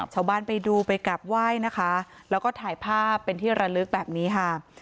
ไปดูไปกลับไหว้นะคะแล้วก็ถ่ายภาพเป็นที่ระลึกแบบนี้ค่ะ